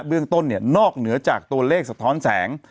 เรื่องต้นเนี่ยนอกเหนือจากตัวเลขสะท้อนแสง